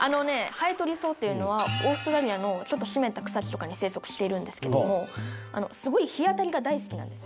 ハエトリソウっていうのはオーストラリアのちょっと湿った草地とかに生息しているんですけどもすごい日当たりが大好きなんです。